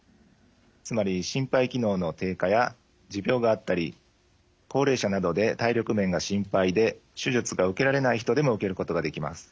つまり心肺機能の低下や持病があったり高齢者などで体力面が心配で手術が受けられない人でも受けることができます。